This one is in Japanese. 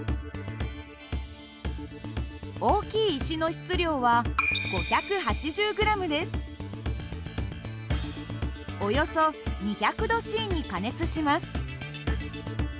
大きい石の質量はおよそ２００℃に加熱します。